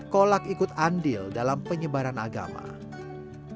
kolak adalah makanan yang terhadap orang orang yang berpengalaman